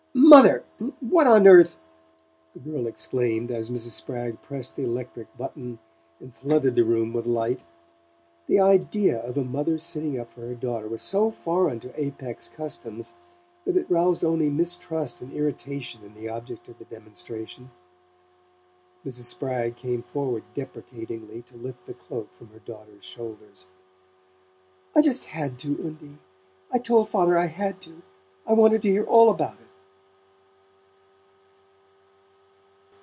"MOTHER? What on earth ?" the girl exclaimed, as Mrs. Spragg pressed the electric button and flooded the room with light. The idea of a mother's sitting up for her daughter was so foreign to Apex customs that it roused only mistrust and irritation in the object of the demonstration. Mrs. Spragg came forward deprecatingly to lift the cloak from her daughter's shoulders. "I just HAD to, Undie I told father I HAD to. I wanted to hear all about it."